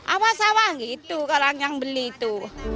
apa sama gitu kalau yang beli itu